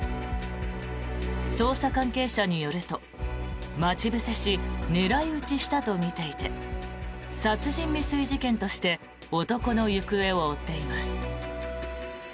捜査関係者によると待ち伏せし狙い撃ちしたとみていて殺人未遂事件として男の行方を追っています。